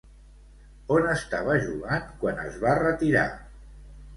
On estava jugant quan es va retirar?